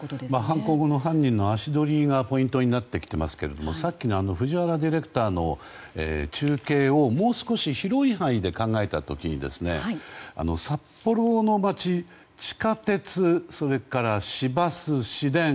犯行後の犯人の足取りがポイントになっていますが藤原ディレクターの中継をもう少し広い範囲で考えた時に札幌の街、地下鉄それから市バス、市電。